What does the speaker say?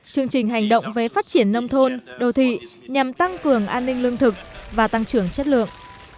chương trình hành động về phát triển nông thôn đô thị nhằm tăng cường an ninh lương thực và tăng trưởng chất lượng